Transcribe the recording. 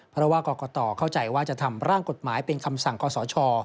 เพราะว่ากรกตเข้าใจว่าจะทำร่างกฎหมายเป็นคำสั่งขอสช